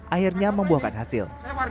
akhirnya membuahkan hasil